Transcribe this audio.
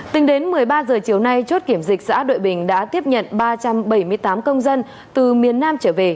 tính đến một mươi ba h chiều nay chốt kiểm dịch xã đội bình đã tiếp nhận ba trăm bảy mươi tám công dân từ miền nam trở về